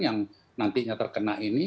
yang nantinya terkena ini